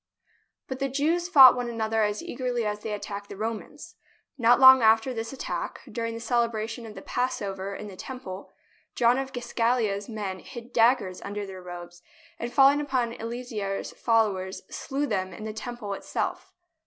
But the Jews fought one another as eagerly as they attacked the Romans. Not long after this at tack, during the celebration of the Passover in the Temple, John of Giscala's men hid daggers under their robes, and falling upon Eleazar's followers slew them in the Temple itself.